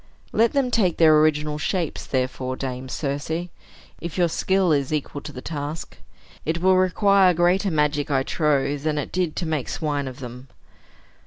Let them take their original shapes, therefore, Dame Circe, if your skill is equal to the task. It will require greater magic, I trow, than it did to make swine of them."